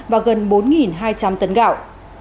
và gần bốn hai trăm linh tấn gạo